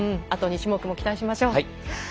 あと２種目も期待しましょう。